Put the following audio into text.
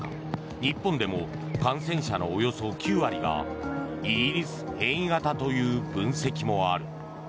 日本でも感染者のおよそ９割がイギリス変異型という分析もある。